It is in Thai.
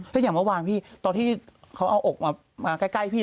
ก็อย่างเมื่อวานพี่ตอนที่เขาเอาอกมาใกล้พี่